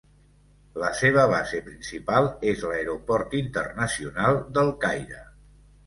La seva base principal és l'Aeroport Internacional del Caire.